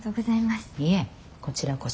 いえこちらこそ。